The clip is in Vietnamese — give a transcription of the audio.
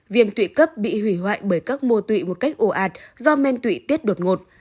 viêm tuyệt cấp bị hủy hoại bởi các mô tuyệt một cách ồ ạt do men tuyệt tết đột ngột